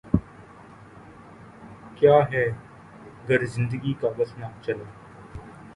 کیا ہے گر زندگی کا بس نہ چلا